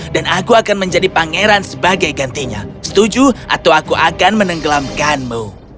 dan aku akan menjadi pangeran sebagai gantinya setuju atau aku akan menenggelamkanmu